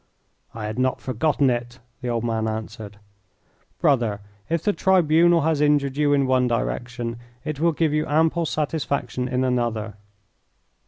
"I had not forgotten it," the old man answered. "Brother, if the tribunal has injured you in one direction, it will give you ample satisfaction in another."